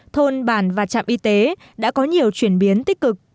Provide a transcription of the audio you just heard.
thôn bản và trạm y tế đã có nhiều chuyển biến tích cực